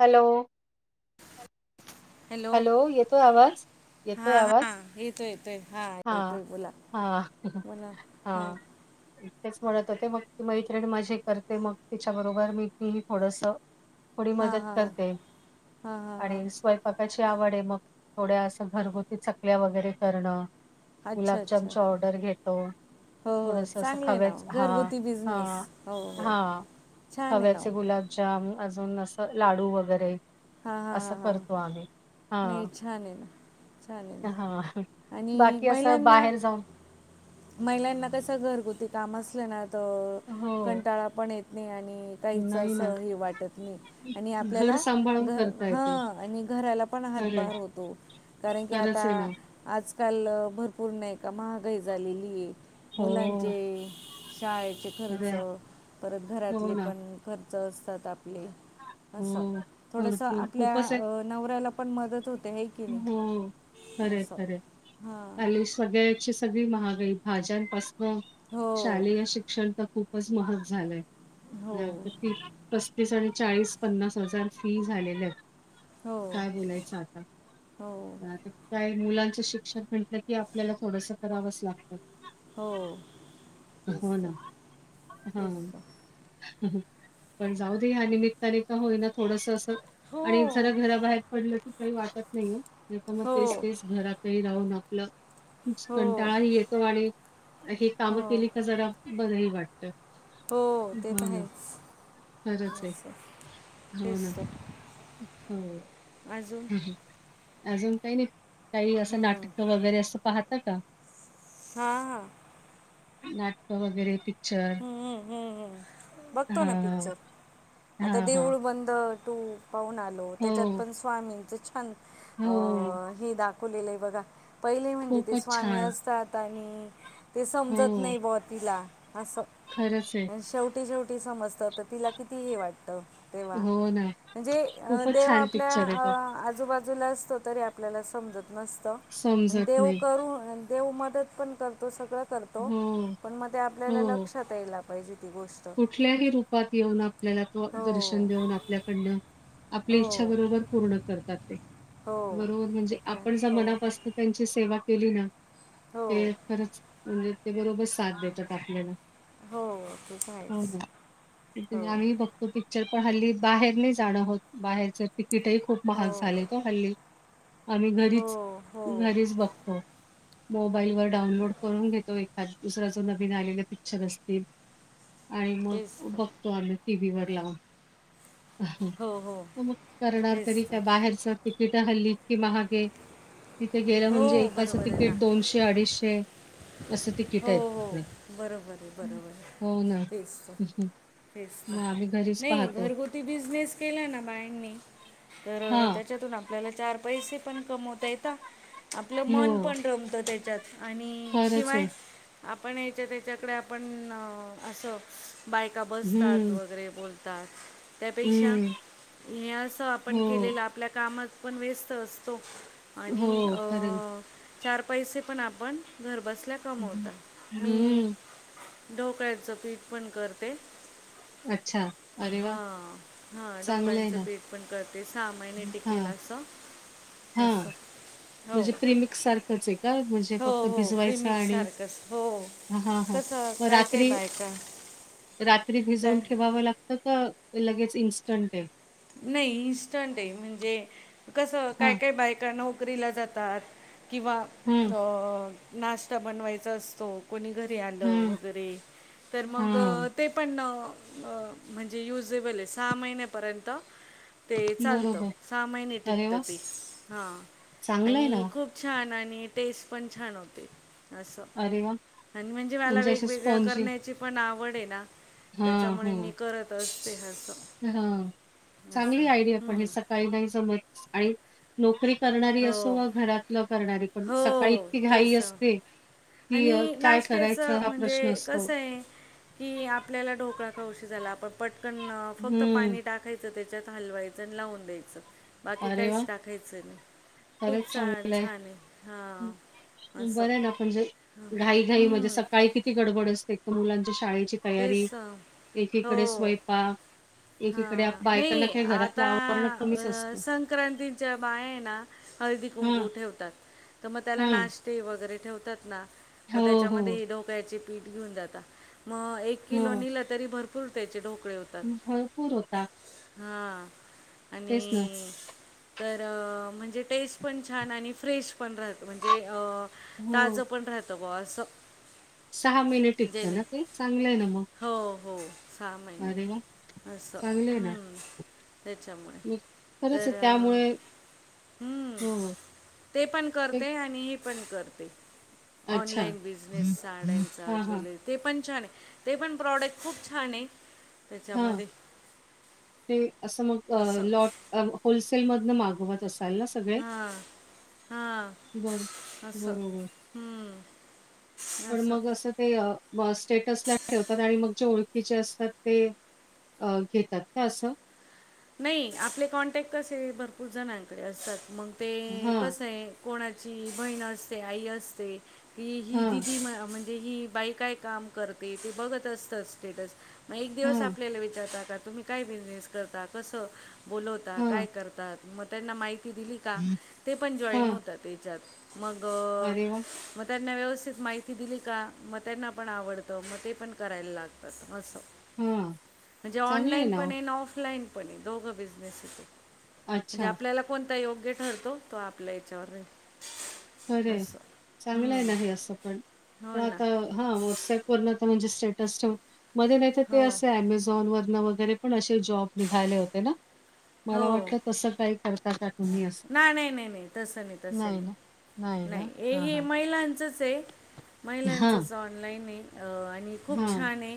Hello. हॅल hello, येतोय आवाज. हा येतोय हा आवाज? येतो येतोय, हा हां, येतोय बोला. हां, हो ना, हा. हां. तेच म्हणत होते, मग ती मैत्रिण माझी करते, मग तिच्या बरोबर मी तीही थोडसं. थोडी मदत करते आणि स्वय पकाची आवड आहे, मग थोड्या असं घरगुती चकल्या वगैरे करणं. अच्छा अच्छा गुलाबजामची ऑर्डर घेतो. हो हो थोडंसं असं चांगलं आहे ना हो. खव्याचं, हा घरगुती बिझनेस हा हो हो हा. छान आहे ना खव्याचे हो. गुलाबजाम, अजून असं लाडू वगैरे. हा हा असं हा हा, करतो आम्ही. हां. नाही, छान आहे ना. छान आहे हां, ना आणि बाकी असं महिलांना. बाहेर जाऊन महिल्यांना कसं घरगुती काम असलं ना तर हो. कंटाळा पण येत नाही आणि काहीच नाही ना. असं हे वाटत नाही आणि घर आपल्याला सांभाळून घ करता येतं. हां आणि घराला पण खरंय, हातभार होतो, कारण की आता खरंच आहे ना. आजकाल भरपूर नाही का महागाई झालेली आहे हो, मुलांचे शाळेचे खर्च, खरंय. परत हो घरातले ना. पण खर्च असतात आपले, असं हो, थोडंसं भरपूर आपल्या खूपच आहे अ... नवऱ्याला पण मदत होते हे हो खरंय खरंय, हां आलीस. सगळ्याची सगळी महागाई, भाज्यांपासन हो शालेय शिक्षण तर खूप खूपच महाग झालंय. हो [inaudible] पस्तीस आणि चाळीस-पन्नास हजार फी झालेल्या आहेत, हो काय बोलायचं आता? हो. पण आता काय, मुलांचं शिक्षण म्हटलं की आपल्याला थोडसं करावंच लागतं. हो, तेच हो ना. तर, तेच तर. हं हं, पण जाऊ दे या निमित्ताने का होईना थोडस अस हो आणि जरा घरा बाहेर पडलं की काही वाटत नाही ओ नाहीतर मग हो तेच तेच घरात. घरी राहून आपल, हो कंटाळाही येतो आणि हे काम हो केली की जरा बर ही वाटतं. हो ते तर आहेच. खरंच हो आहे. अस, हो तेच ना. तर. हो. अजून अजून काही नाही, काही असं हां नाटक वगैरे असं पाहता का? हा हा. नाटक वगैरे ती हम्म हम्म हम्म, बघतो ना हां. पिक्चर आता हां, हां. देऊळ बंद टू पाहून आलो त्याच्यात हो, पण स्वामींच छान, अ हो. हे दाख वलेलं आहे बघा, पहिले म्हणजे ते खूपच स्वामी छान. असतात आणि ते समजत नाही बॉ तिला असं खरच आहे शेवटी शेवटी समजतं तर तिला किती हे वाटतं. तेव्हा, हो ना. म्हणजे खूपच देव छान आपल्या पिक्चर आहे तो. अ आजूबाजू [inaudible] असतो तरी आपल्याला समजत नसत आणि समजत देव नाही. करून अन देव मदत पण करतो सगळं करतो, हो, पण मग ते आपल्याला हो. लक्षात यायला पाहिजे ती गोष्ट. कुठल्याही रूपात येऊन आपल्याला तो दर्शन हो देऊन आपल्याकडनं आपली इच्छा हो बरोबर पूर्ण करतात ते, हो बरोबर ते म्हणजे तर आपण जर आहे. मनापासुन त्यांची सेवा केली ना, हो ते खरंच म्हणजे ते बरोबर साथ देतात आपल्याला. हो ते तर हो आहेच ना, ते हो तुम्ही-आम्ही ही बघ तो पिक्चर पण हल्ली बाहेर नाही जाणं होत, बाहेरच तिकीटही खूप महाग हो झालेत ओ हल्ली. आम्ही हो घरीच, हो घरीच बघतो. मोबाईल वर डाउनलोड करून घेतो एखाद दुसरा जो नवीन आलेले पिक्चर असतील. आणि, मग तेच तर बघतो आम्ही टी व्ही वर लावून. हो मग करणार तेच तरी काय तर बाहेरच तिकिट हल्ली किती महाग ये. तिथे गेलं हो म्हणजे एकाचं बरोबर आहे ना तिकीट दोनशे अडीचशे असं तिकट. हो हो, बरोबर आहे बरोबर आहे हो ना तेच तर. तेच तर, मग आम्ही घरीच नाही पाहतो घरगुती ते बिझनेस केला ना बायांनी तर अ हा. त्याच्यातून आप आपल्याला चार पैसे पण कमवता येतात, आपलं मन हो पण रमतं त्याच्यात. आणि खरंच आहे. शिवाय आपण याच्या त्याच्याकडे आपण अ असं बायका बसतात हम्म, वगैरे बोलतात, त्यापेक्षा हम्म. हे असं आपण हो, केलेलं आपल्या कामात पण व्यस्त असतो, आणि हो अ खरं चार पैसे पण आपण घर बसल्या हं हं मी, ढोकळ्याचं पीठ पण करते. अच्छा अरे वाह! हा हा चांगलं आहे ढोकळ्यांचं ना. पीठ पण करते सहा महिने टिकेल हां, असं. हां. अस, हो म्हणजे प्रीमिक्स सारखंच आहे का? म्हणजे हो फक्त हो भिजवायचा प्रिमिक्स आणि सारख कस हो, हां, हां, हां. कसं मग काय काय रात्री बायका रात्री भिजवून काय ठेवावं लागत का लगेच इन्स्टंट हे? नाही इन्स्टंट आहे म्हणजे कसं काय हां. काय बायका न नोकरीला जातात किंवा हम्म. हो नाश्ता बनवायचा असतो. कोणी घरी आणलं हं. वगैरे तर मग हां. ते पण म्हणजे युजेबल आहे सहा महिन्यापर्यंत ते चालतं बरोबर. सहा महिने अरे टिकतं वाह! ते हां चांगलं आहे ना. आणि खूप छान आणि टेस्ट पण छान होते. असं अरे वाह! आणि म्हणजे मला असे वेगवेगळ्या स्पॉन्जी करण्याची पण आवड आहे ना हां, त्याच्यामुळे मी करत असते हसं. हा चांगली आयडिया पण हे हम्म. सकाळी नाही जमत आणि नोकरी करणारी असो हो व घरातलं करणारी पण हो सकाळी इतकी तेच घाई तर. असते. की अ, आणि काय नाश्त्याचं करायचा हा म्हणजे प्रश्न असतो. कसं आहे कि आपल्याला ढोकळा खाउशी झाला पण पटकन फक्त हम्म, पाणी टाकाय च त्याच्यात हलवायचं आणि लावून द्यायचं. बाकी अरे वा! काहीच टाकायचं नाही खरंच खूप चांगलं छान आहे. हां हं, अस. बरं आहे ना, म्हणजे घाई घाई मध्ये सकाळी किती गडबड असते एकतर मुलांच्या शाळेची तयारी तेच तर. एकीकडे स्वयंपाक. हा एकीकडे आप- बायकांना नाही काही घरातलं आता आवरणं कमीच असतं. संक्रांतीच्या बाया हे ना हळदी हां, कुंकू ठेवतात. तर मग त्याला हां. नाश्ते वगैरे ठेवतात ना मग हो, हो. त्याच्यामध्ये ही ढोकल्याची पीठ घेऊन जाता मग एक किलो हो, नेले तरी भरपूर त्याचे ढोकळे होते. भरपूर होता. हां आणि तेच ना. तर म्हणजे टेस्ट पण छान आणि फ्रेश पण राहत म्हणजे आ हो, ताजं पण राहतं बुआ असं. महिने टिकतं जेवेन ना ते? चांगलं आहे ना मग. हो हो सहा महिने. अरे वाह! असं चांगलं आहे ना. हम त्याच्यामुळे मग खरंच तर आहे त्यामुळे हम्म. हो हो. ते पण करते, आणि हे पण करते अच्छा. ऑनलाइन बिझनेस साड्यांचा, हां, हां. ज्वेलरी ते पण छान आहे. ते पण प्रॉडक्ट खूप छान आहे. हा त्याच्यामध्ये ते असं मग अ असं लॉट अ होलसेल मधन मागवत असाल ना स हा हा बरं. अस बरोबर. हम्म. पण मग असं ते अ बुआ स्टेटस ला ठेवतात आणि मग जे ओळखीचे असतात ते घेतात का असं? नाही आपले कॉन्टॅक्ट कसे भरपूर जणांकडे असतात मग ते हां, कसं आहे कोणाची बहीण असते आई असते की ही हां, दिदी म म्हणजे ही बाई काय काम करते ते बघत असतात स्टेटस मग एक दिवस हां, आपल्याला विचारता. तुम्ही काय बिझनेस करता कसं बोलवता हां, काय करता. मग त्यांना माहिती दिली का ते पण जॉईन हां. होता त्याच्यात मग अरे वाह! मग त्यांना व्यवस्थित माहिती दिली का मग त्यांना पण आवडतं मग ते पण करायला लागतात असं. हां. म्हणजे चांगलं ऑनलाइन ना पण हो. आहे. आणि ऑफलाइन पण आहे. दोघं बिझनेस ये. म्हणजे अच्छा. आपल्याला कोणता योग्य ठरतो, तो आपल्या याच्यावर राहील. खरे हे. चांगलंय ना हे असं पण, हो पण ना आता हा व्हॉट्सअप वर म्हणजे स्टेटस ठेवून, मध्ये नाही तर ते हो असं अमेझ झोन वरण वगैरे पण असे जॉब निघाले होते ना? मला वाटल तस काही करता का तुम्ही असं. नाही नाही नाही नाही, तस नाही, तसं नाही, ना, ना. नाही हे हां, हे हां. महिलांचच आहे. हां, महिलांचंच ऑनलाईन आहे. आणि खूप हां. छान आहे.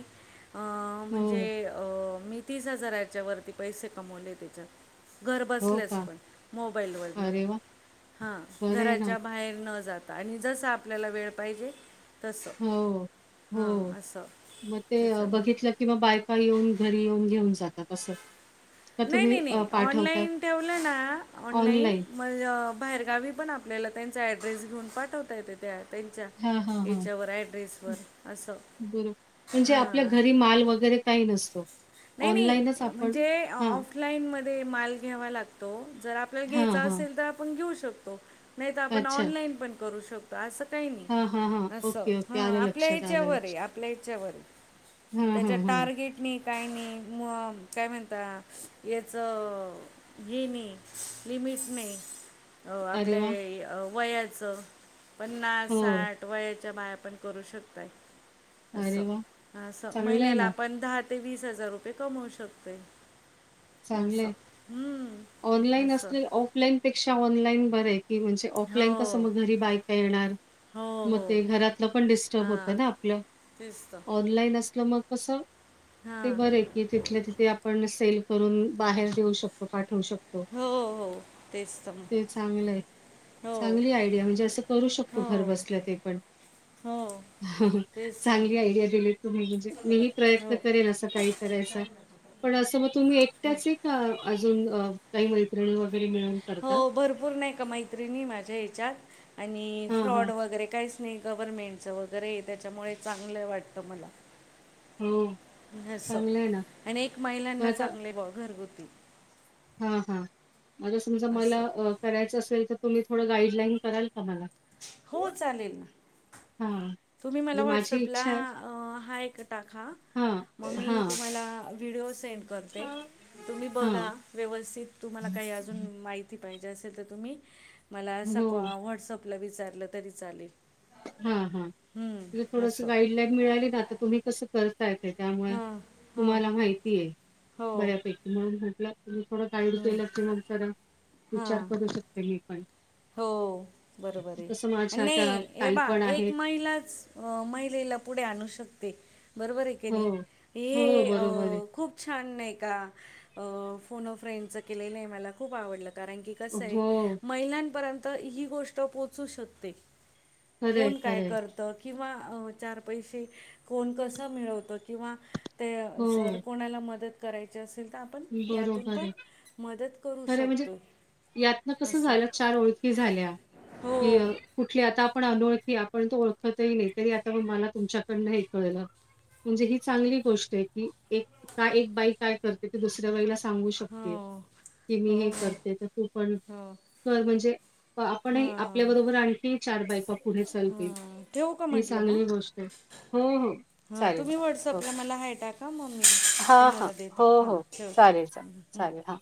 अ म्हणजे हो, अ मी तीस हजाराच्या वरती पैसे कमवले ह्याच्यात. घर हो बसल्या का? पण मोबाईलवर, अरे वाह! हा बरं आहे ना. घराच्या बा बाहेर न जाता आणि जस आपल्याला वेळ पाहिजे तसं हो हो, हां असं मग ते त्याच्यामुळे बघितलं क किंवा बायका येऊन घरी येऊन घेऊन जातात असं का नाही तुम्ही नाही अ, नाही, पाठवताय ऑनलाईन ठेवलं ना ऑनलाईन म बाहेरगावी पण आपल्याला त्यांचा ऍड्रेस घेऊन पाठवता येत. त्यांच्या, हां, हां, हां. याच्यावर ऍड्रेसवर हं, असं, बरं. म्हणजे आपल्या हा घरी माल वगैर काही नसतो. नाही नाही, ऑनलाईनच आपण म्हणजे हां, ऑफ लाईन मध्ये माल घ्यावा लागतो. जर आपल्याला हां, घ्यायचा हां. असेल तर आपण घेऊ शकतो. नाही तर आपण अच्छा. ऑनलाईन पण करू शक तो असं काही नाही हां, हां, हां. अस, ओके, ह ओके. आलं आपल्या लक्षात, आलं याच्यावर आहे. लक्षात. आप प्लेटच्यावर, हं, त्याच्या हं, हं. टार्गेट नी काही नाही, म काय म्हणता? याचंअ हे नाही लिमिट नाही, अ अरे वाह! आपल्या वयाचं पन्नास- हो. साठ वयाच्या बाया पण करू शकताय. असं, अरे वाह! असं चांगलं आहे महिन्याला ना, आपण दहा ते वीस हजार रुपये कमवू शकतोय. चांगलं, हम्म, ऑनलाईन असं असले ऑफ ऑफलाईनपेक्षा ऑनलाईन बरं आहे की, म्हणजे ऑफलाईन कसं हो मग घरी बायका येणार. हो मग हो ते घरातलं पण डिस्टर्ब होत हां ना आपलं, तेच तर ऑनलाईन असलं मग कस, ते हां बरं आहे की तिथल्या तिथे आपण सेल् करून बाहेर येऊ शकतो पाठवू शकतो. हो हो तेच तर ते मग चांगलं आहे. हो चांगली आयडिया, म्हणजे असं करू शकतो हो घर बसल्या ते पण. हो तेच तर मग चांगली आयडिया दिली तुम्ही, म्हणजे मीही प्रयत्न हो करेन असं काही करायचा. पण असं मग तुम्ही एकट्याच आहे का? अजून काही मैत्रिणी वगैरे मिळून. हो करता? भरपूर नाही का मैत्रिणी माझ्या याच्यात, आणि हां, फ्रॉड हां. वगैरे कायच स्ने गव्हर्मेंटचं वगैरे हे त्याच्यामुळे चांगलं वाटतं मला. हम्म. आस, आणि एक मग महिलांना चांगले ब घरगुती हा हा, आता समजा मला असं करायचं असेल तर, तुम्ही थोडं गाईडलाईन कराल का मला? हो चालेल ना. हा. तुम्ही मला व्हॉट्सअपला हाय टाका, हां, मग मी हां, तुम्हाला व्हिडओ सेंड करते. हां. तुम्ही बघा व्यवस्थित तुम्हाला काही अज माहिती पाहिजे असेल तर तुम्ही मला अस कॉ हो, व्हॉट्सअपला विचारलं तरी चालेल. हा हा, ते हं, थोडस असं गाईडलाईन मिळाली ना आता तुम्ही कसं करतायचे त्यामुळे हां हां तुम्हाला माहिती आहे, हो बऱ्यापैकी म्हणून म्हटलं! तुम् थोडं गाईड केलं की नंतर हां विचार करू शकते. मी पण हो! बरोबर आहे, तसं आणि माझ्या नाही! त्या हे ताई बा! पण ! एक आहेत. महिलाच महिलेला पुढे, आणू शकते! बरोबर हो. आहे. हो, हे अ! बरोबर आहे. खूप! प छान! नाही का? फोन फ्रेंडच केलेलं आहे मला! खूप आवडलं कारण की? कस हो. महिलांपर्यंत ही, गोष्ट पोहोचू शकते. खरंय, कोण काय खरंय. करत? - किंवा चार पैसे कोण कस मिळवत किंवा! ते जर हो, कोणाला मदत! करायचे असेल तर आपण यातून बरोबर पण आहे. मदत करू शकतोय! यातन कस झालं चार ओळखी झाल्या हो कि कुठली आता आपण अनोळखी. पण तो ओळखतही नाही तरी, आता मला तुमच्याकडनं हे कळलं! म्हणजे ही चांगली गोष्ट आहे की, एक का एक बाई काय करते ते दुसऱ्या बाईला! सांग शक हो की हो मी हे हो करते तर, तू पण हो त म्हणजे आपणही हां आपल्याबरोबर, आणखी चार बायपा पुढे चालतील हां ठेवू का ही म्हटलं मग चांगली गोष्ट आहे हो हो चालेल चालेल डस हो. आपला मला हायटाका मग मी, हां, हां. तुम्हाला देते हो, हा हो. चालेल, चालेल. ठेवते. चालेल. हां.